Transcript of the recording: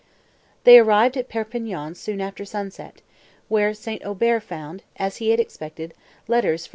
They arrived at Perpignan soon after sunset, where St. Aubert found, as he had expected, letters from M.